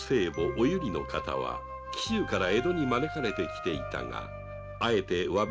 お由利の方は紀州から江戸に招かれて来ていたがあえて侘び住まいを望み